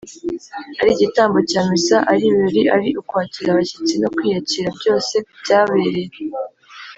ari igitambo cya missa, ari ibirori, ari ukwakira abashyitsi no kwiyakira, byose byabereye